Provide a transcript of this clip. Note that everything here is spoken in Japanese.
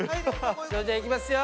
それじゃいきますよ！